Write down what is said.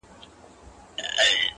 پنځه باطني هم ذکر کړي